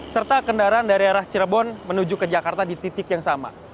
serta kendaraan dari arah cirebon menuju ke jakarta di titik yang sama